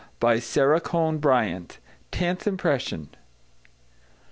By SARA CONE BRYANT. Tenth Impression.